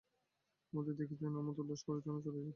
আমাদের দেখিতেন, আমোদ-উল্লাস করিতেন ও চলিয়া যাইতেন।